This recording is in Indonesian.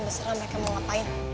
beserah mereka mau ngapain